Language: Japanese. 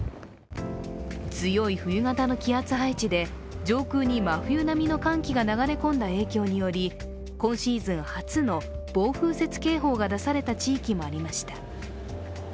強い冬型の気圧配置で上空に真冬並みの寒気が流れ込んだ影響により今シーズン初の暴風雪警報が出された地域もありました。